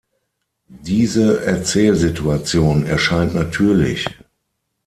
Diese Erzählsituation erscheint natürlich.